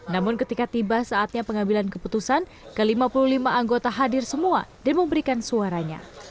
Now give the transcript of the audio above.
namun ketika tiba saatnya pengambilan keputusan ke lima puluh lima anggota hadir semua dan memberikan suaranya